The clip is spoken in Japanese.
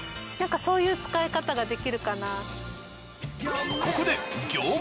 なんかそういう使い方ができるかな。